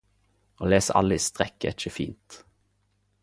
Å lese alle i strekk er ikkje fint.